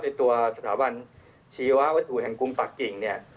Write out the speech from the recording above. ในตัวสถาบันชีวะวัตถุแห่งกรุงปากกิ่งเนี่ย